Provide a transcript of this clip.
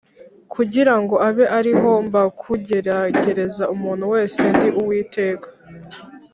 kugira ngo abe ari ho mbakugeragereza Umuntu wese ndi uwiteka